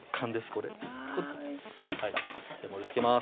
これ盛りつけます